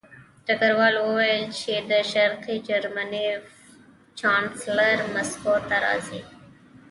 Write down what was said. ډګروال وویل چې د شرقي جرمني چانسلر مسکو ته راځي